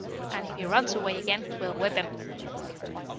"And if he runs away again, we'll whip him."